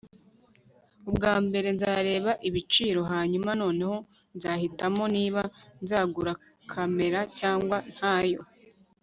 Ubwa mbere nzareba ibiciro hanyuma noneho nzahitamo niba nzagura kamera cyangwa ntayo